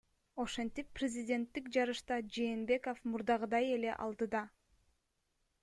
Ошентип, президенттик жарышта Жээнбеков мурдагыдай эле алдыда.